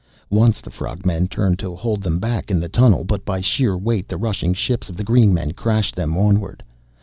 Once the frog men turned to hold them back in the tunnel, but by sheer weight the rushing ships of the green men crashed them onward.